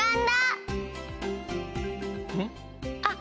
あっ！